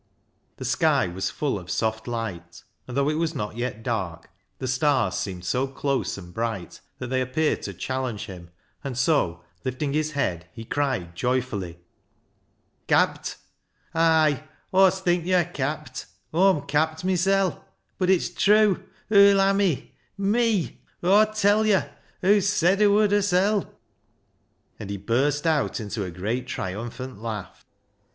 The sky was full of soft light, and though it was not yet dark, the stars seemed so close and bright that they appeared to challenge him, and so, lifting his head, he cried joyfully —" Capt ? Ay, Aw'st think yo' arr capt. Aw'm capt mysel' ! Bud it's trew ! Hoo'll ha' 281 282 BECKSIDE LIGHTS me. Me! Aw tell yo'. Hoo said hoo wod hersel'," and he burst out into a great triumphant laugh.